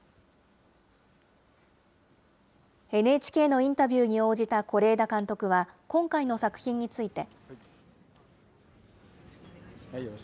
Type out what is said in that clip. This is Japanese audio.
ＮＨＫのインタビューに応じた是枝監督は今回の作品について。